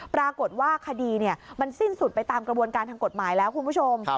ปรากฏว่าคดีมันสิ้นสุดไปตามกระบวนการทางกฎหมายแล้วคุณผู้ชม